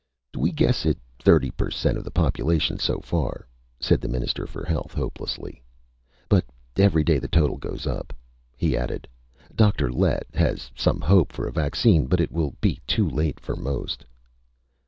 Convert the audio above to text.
"We guess at thirty per cent of the population so far," said the Minister for Health, hopelessly. "But every day the total goes up." He added: "Dr. Lett has some hope for a vaccine, but it will be too late for most."